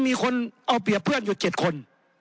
มีคนเอาเปรียบเพื่อนอยู่๗คน